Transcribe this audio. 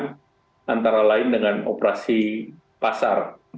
yang antara lain dengan operasi pasar